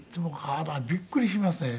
びっくりしますね。